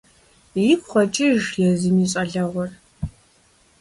Игу къокӀыж езым и щӀалэгъуэр.